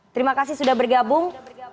terima kasih sudah bergabung